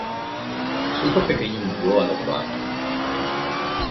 Su hijo pequeño murió al otro año.